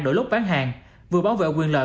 đổi lúc bán hàng vừa bảo vệ quyền lợi